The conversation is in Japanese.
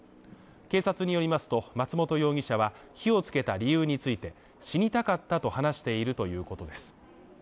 警察によりますと、松本容疑者は火をつけた理由について死にたかったと話しているということです。